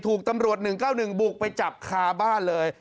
ถูกตำรวจ๑๙๑บุกไปจับคาบ้านเลย